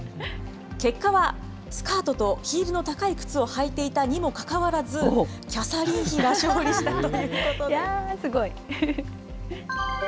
結果はスカートとヒールの高い靴を履いていたにもかかわらず、キャサリン妃が勝利したということです。